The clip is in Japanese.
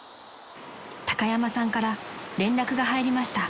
［高山さんから連絡が入りました］